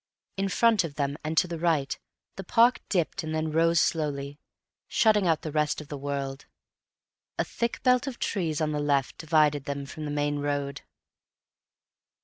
In front of them and to the right the park dipped and then rose slowly, shutting out the rest of the world. A thick belt of trees on the left divided them from the main road.